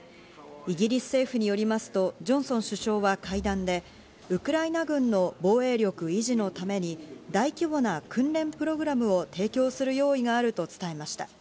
イギリス政府によりますと、ジョンソン首相は会談で、ウクライナ軍の防衛力維持のために大規模な訓練プログラムを提供する用意があると伝えました。